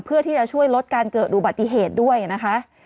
เพื่อที่จะช่วยลดการเกิดอุบัติเหตุด้วยนะคะ